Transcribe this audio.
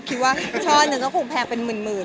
คิดว่าช่อหนึ่งก็คงแพงเป็นหมื่น